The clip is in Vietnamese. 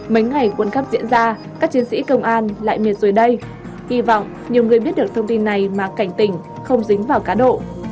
mấy ngày quân khắp diễn ra các chiến sĩ công an lại miệt rồi đây hy vọng nhiều người biết được thông tin này mà cảnh tỉnh không dính vào cá độ